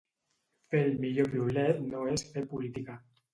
Fer el millor piulet no és fer política.